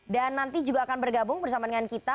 dan nanti juga akan bergabung bersama dengan kita